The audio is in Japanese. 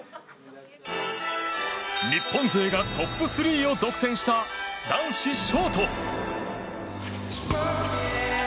日本勢がトップ３を独占した男子ショート。